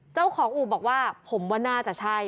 เจ้าของอู่บอกว่าผมว่าน่าจะใช่